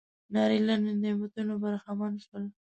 نارینه له نعمتونو برخمن شول.